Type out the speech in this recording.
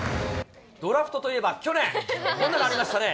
ドラフトといえば、去年、こんなのありましたね。